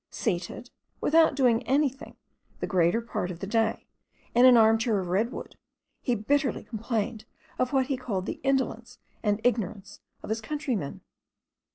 Seated, without doing anything, the greater part of the day, in an armchair of red wood, he bitterly complained of what he called the indolence and ignorance of his countrymen.